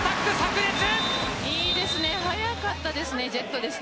いいですね速かったですね